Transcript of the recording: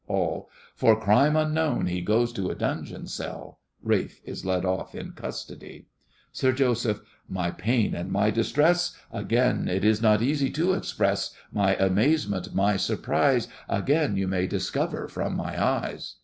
ALL. For crime unknown He goes to a dungeon cell! [RALPH is led off in custody. SIR JOSEPH. My pain and my distress Again it is not easy to express. My amazement, my surprise, Again you may discover from my eyes.